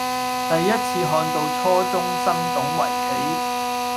第一次看到初中生懂圍棋